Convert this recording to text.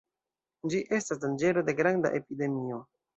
Ĝi estas danĝero de granda epidemio.